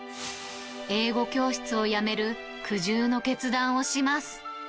英語教室をやめる苦渋の決断をします。